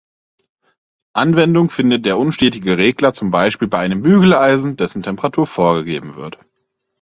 Anwendung findet der unstetige Regler zum Beispiel bei einem Bügeleisen, dessen Temperatur vorgegeben wird.